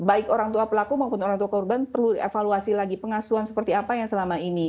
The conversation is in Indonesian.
baik orang tua pelaku maupun orang tua korban perlu evaluasi lagi pengasuhan seperti apa yang selama ini